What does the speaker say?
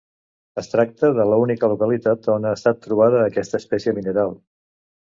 Es tracta de l'única localitat on ha estat trobada aquesta espècie mineral.